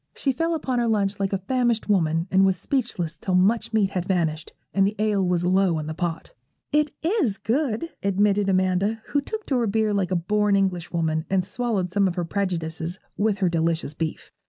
She fell upon her lunch like a famished woman, and was speechless till much meat had vanished, and the ale was low in the pot. 'It is good,' admitted Amanda, who took to her beer like a born Englishwoman, and swallowed some of her prejudices with her delicious beef.